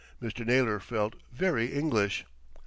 Mr. Naylor felt very English.